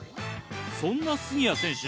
そんな杉谷選手